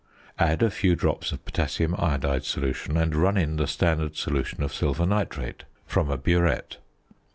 Add a few drops of potassium iodide solution, and run in the standard solution of silver nitrate from a burette.